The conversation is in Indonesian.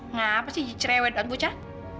ngapasih cewek dan bucah